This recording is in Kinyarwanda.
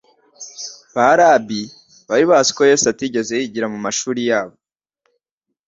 Ba Rabbi bari bazi ko Yesu atigeze yigira mu mashuri yabo ;